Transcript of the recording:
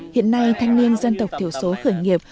hiện nay thanh niên dân tộc thiểu số khởi nghiệp